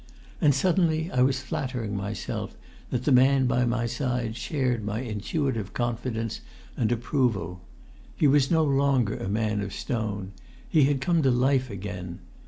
And suddenly I was flattering myself that the man by my side shared my intuitive confidence and approval. He was no longer a man of stone; he had come to life again.